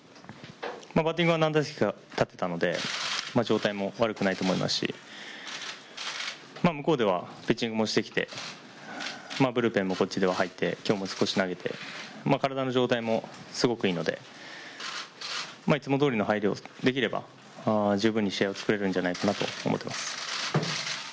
バッティングは何打席か立ったので状態も悪くないと思いますし向こうではピッチングもしてきてブルペンもこっちでは入って今日も少し投げて、体の状態もすごくいいので、いつもどおりの配慮をできれば十分に試合を作れるんじゃないかなと思っています。